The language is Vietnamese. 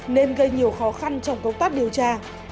nên gây nhiều khó khăn trong công tác điều tra